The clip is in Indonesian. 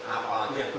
apalagi yang bersubsidi